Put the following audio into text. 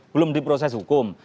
belum diproses hukum